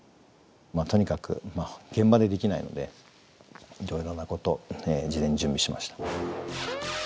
とにかく現場でできないのでいろいろなことを事前に準備しました。